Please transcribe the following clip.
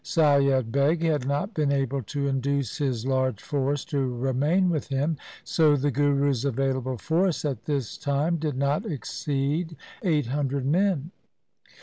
Saiyad Beg had not been able to induce his large force to remain with him, so the Guru's available force at this time did not exceed eight hundred men.